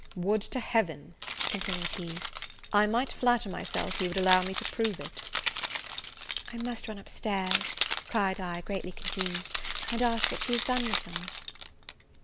"Would to Heaven," continued he, "I might flatter myself you would allow me to prove it!" "I must run up stairs," cried I, greatly confused, "and ask what she has done with them."